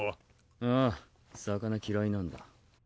あァ魚嫌いなんだ。